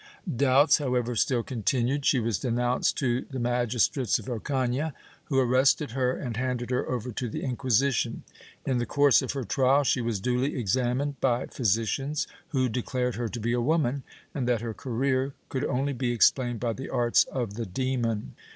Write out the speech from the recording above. Doubts, however, still continued; she was denounced to the magis trates of Ocafia, who arrested her and handed her over to the Inqui sition. In the course of her trial she was duly examined by physi cians, who declared her to be a woman and that her career could only be explained by the arts of the demon.